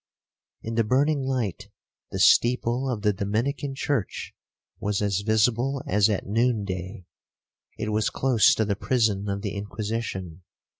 In the burning light, the steeple of the Dominican church was as visible as at noon day. It was close to the prison of the Inquisition.